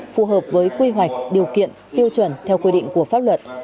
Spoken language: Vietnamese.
phù hợp với quy hoạch điều kiện tiêu chuẩn theo quy định của pháp luật